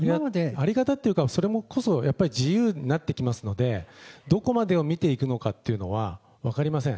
在り方っていうか、それこそやっぱり自由になってきますので、どこまでを見ていくのかっていうのは分かりません。